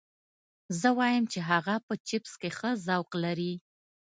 زه وایم چې هغه په چپس کې ښه ذوق لري